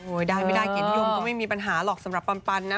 ได้ไม่ได้เกียรตินิยมก็ไม่มีปัญหาหรอกสำหรับปันนะ